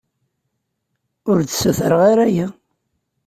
Ur d-ssutreɣ ara aya.